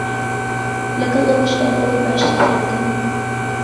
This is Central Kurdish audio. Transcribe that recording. لەگەڵ ئەوەشدا بۆ ئەوەی باشتر تێبگەین